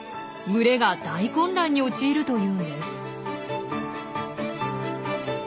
群れが大混乱に陥るというんです。